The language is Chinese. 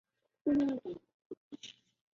清朝军事人物。